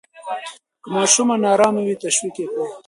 که ماشوم نا آرامه وي، تشویق یې کړئ.